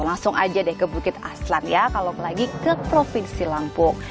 langsung aja deh ke bukit aslan ya kalau lagi ke provinsi lampung